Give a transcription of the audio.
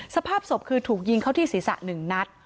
สภาพศพคือถูกยิงเข้าที่ศีรษะ๑นัด